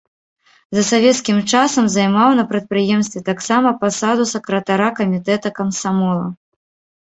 За савецкім часам займаў на прадпрыемстве таксама пасаду сакратара камітэта камсамола.